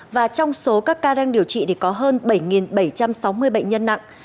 và trong số các ca đang điều trị thì có hơn bảy bảy trăm sáu mươi bệnh nhân nặng